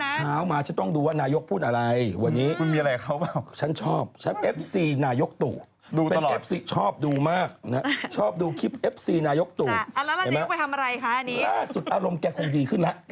เช้ามาฉันต้องดูว่านายกพูดอะไรวันนี้